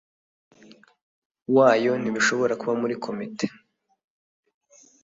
Wayo ntibishobora kuba muri komite